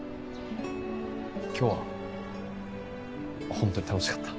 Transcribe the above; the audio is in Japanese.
今日は本当に楽しかった。